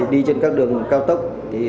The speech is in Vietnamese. đi trên các đường cao tốc